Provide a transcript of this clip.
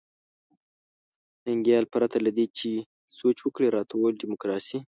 ننګیال پرته له دې چې سوچ وکړي راته وویل ډیموکراسي.